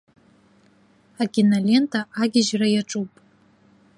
Акинолента агьежьра иаҿуп.